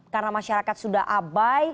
karena masyarakat sudah abad